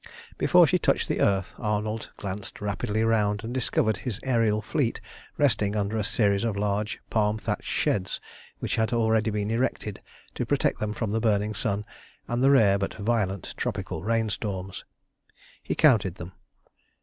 Before she touched the earth Arnold glanced rapidly round and discovered his aërial fleet resting under a series of large palm thatched sheds which had already been erected to protect them from the burning sun, and the rare but violent tropical rain storms. He counted them.